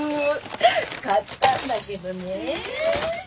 買ったんだけどね。